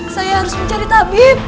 saya harus mencari tabib